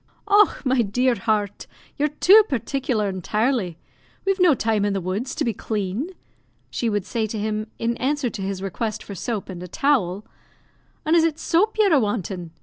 "Och! my dear heart, yer too particular intirely; we've no time in the woods to be clane." She would say to him, in answer to his request for soap and a towel, "An' is it soap yer a wantin'?